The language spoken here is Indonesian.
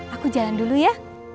aku jalan dulu ya